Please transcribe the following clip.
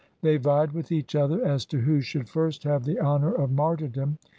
They vied with each other as to who should first have the honour of martyrdom.